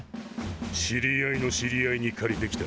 知り合いの知り合いに借りてきた。